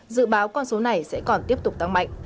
dự báo con số này sẽ còn tiếp tục tăng mạnh